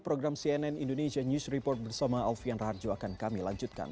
program cnn indonesia news report bersama alfian raharjo akan kami lanjutkan